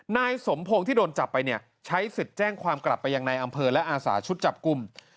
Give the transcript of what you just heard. นายสมพงศ์ที่โดนจับไปเนี่ยใช้สิทธิ์แจ้งความกลับไปยังในอำเภอและอาสาชุดจับกลุ่ม